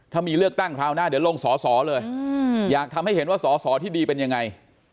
ถ้ามีเลือกตั้งคราวหน้าเดี๋ยวลงสอสอเลยอยากทำให้เห็นว่าสอสอที่ดีเป็นยังไง